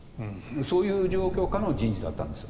そういう状況下の人事だったんです。